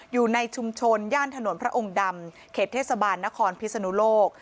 อยู่ในชุมชนย่านถนนพระองค์ดำเขตเทศบาลนครพิศนุโลก